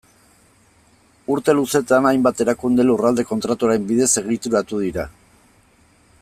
Urte luzetan, hainbat erakunde Lurralde Kontratuaren bidez egituratu dira.